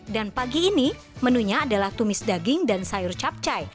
dan pagi ini menunya adalah tumis daging dan sayur capcay